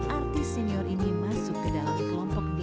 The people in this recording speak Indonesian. artis senior ini masuk ke dalam kelompok